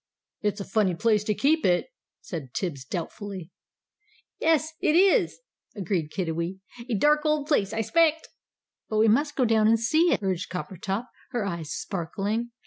"It's a funny place to keep it," said Tibbs doubtfully. "'Es, it is!" agreed Kiddiwee; "a dark old place, I 'spect." "But we must go down and see," urged Coppertop, her eyes sparkling.